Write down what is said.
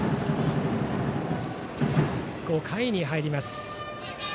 ５回に入ります。